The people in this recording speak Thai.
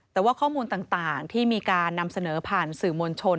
แต่ว่าข้อมูลต่างที่มีการนำเสนอผ่านสื่อมวลชน